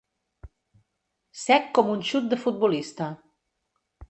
Sec com un xut de futbolista.